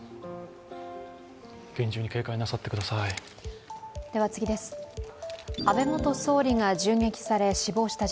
厳重に警戒なさってください。